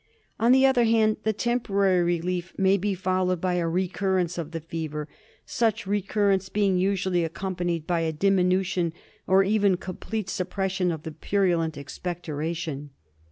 On the other hand, the temporary relief may be followed by a recurrence of the fever, such recurrence being usually accompanied by a diminution, or even complete sup pression, of the purulent expectoration.